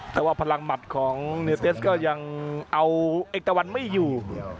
แต่ว่าพลังหมัดของเนวเตสก็ยังเอาเอกตะวันไม่อยู่